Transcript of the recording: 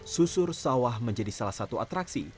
susur sawah menjadi salah satu atraksi